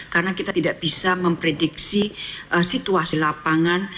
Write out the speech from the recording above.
karena kita tidak bisa memprediksi situasi lapangan